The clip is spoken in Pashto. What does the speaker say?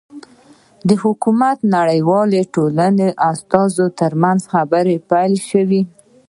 د حکومت او نړیوالې ټولنې استازو ترمنځ خبرې پیل شوې.